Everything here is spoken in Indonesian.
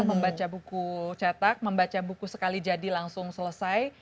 membaca buku cetak membaca buku sekali jadi langsung selesai